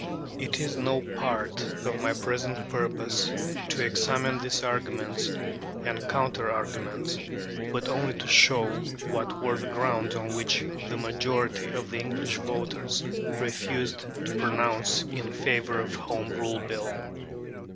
It is no part of my present purpose to examine these arguments and counter arguments, but only to show what were the grounds on which a majority of the English voters refused to pronounce in favour of the Home Rule Bill.